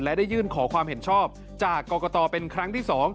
และได้ยื่นขอความเห็นชอบจากกรกตเป็นครั้งที่๒